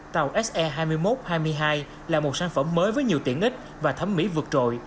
tàu se hai mươi một hai mươi hai là một sản phẩm mới với nhiều tiện ích và thấm mỹ vượt trội